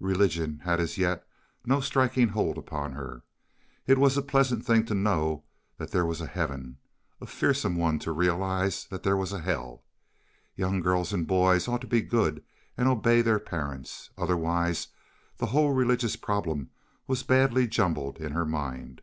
Religion had as yet no striking hold upon her. It was a pleasant thing to know that there was a heaven, a fearsome one to realize that there was a hell. Young girls and boys ought to be good and obey their parents. Otherwise the whole religious problem was badly jumbled in her mind.